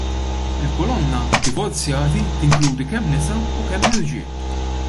Il-kolonna " Divorzjati " tinkludi kemm nisa u kemm irġiel.